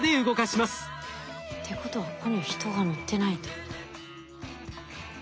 ってことはここに人が乗ってないんだ。